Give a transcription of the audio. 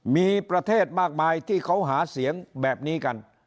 มีประเทศมากมายที่เขาหาเสียงแบบนี้กัน